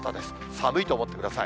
寒いと思ってください。